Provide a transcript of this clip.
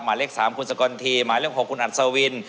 หมายเลข๓คุณสกลทีหมายเลข๖คุณอัศวิน